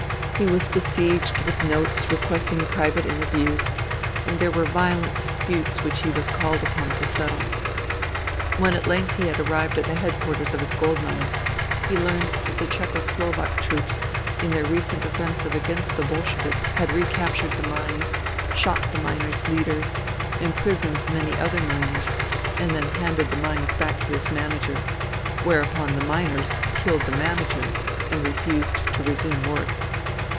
He was besieged with notes requesting private inter views, and there were violent disputes which he was called upon to settle. When at length he had arrived at the headquarters of his gold mines, he learnt that the Czecho Slovak troops in their recent offensive against the Bolsheviks had recaptured the mines, shot the miners' leaders, imprisoned many other miners, and then handed the mines back to his manager ; whereon the miners killed the manager and refused to resume work.